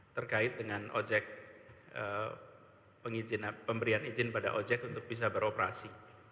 terkait dengan pemberian izin pada ojek untuk bisa beroperasi